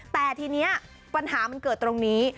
แต่ทีนี้ปัญหามันเกิดตรงนี้